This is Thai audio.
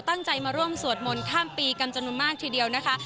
ตั้งใจมาร่วมสวดมนต์ข้ามปีกันจำนวนมากทีเดียวนะคะ